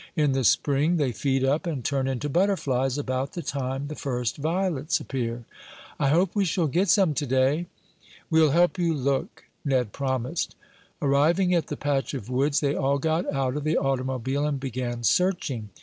In the spring they feed up, and turn into butterflies about the time the first violets appear. I hope we shall get some to day." "We'll help you look," Ned promised. Arriving at the patch of woods, they all got out of the automobile and began searching.